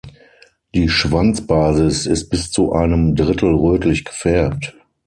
Die Schwanzbasis ist bis zu einem Drittel rötlich gefärbt.